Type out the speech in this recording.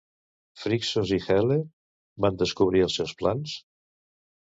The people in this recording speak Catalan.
Frixos i Hel·le van descobrir els seus plans?